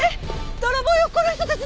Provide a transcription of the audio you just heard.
泥棒よこの人たち！